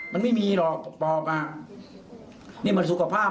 มันไม่มีหรอกปอบอ่ะนี่มันสุขภาพ